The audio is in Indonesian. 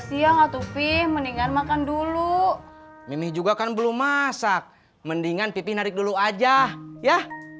siang atau fee mendingan makan dulu mimi juga kan belum masak mendingan pipi narik dulu aja ya